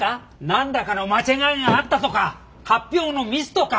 何らかの間違いがあったとか発表のミスとか。